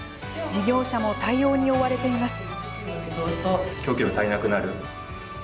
事業者も対策に追われています。